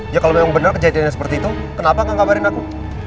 ya kalau memang benar kejadiannya seperti itu kenapa gak kabarin aku